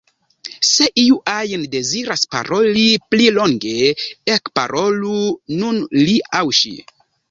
Se iu ajn deziras paroli pli longe, ekparolu nun li aŭ ŝi.